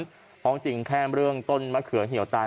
เพราะจริงแค่เรื่องต้นมะเขือเหี่ยวตาย